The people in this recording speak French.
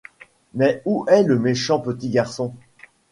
Mais où est le méchant petit garçon ?